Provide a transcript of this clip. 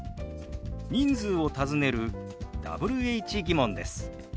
人数を尋ねるＷｈ−疑問です。